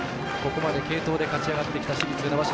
ここまで継投で勝ち上がってきた市立船橋。